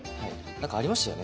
何かありましたよね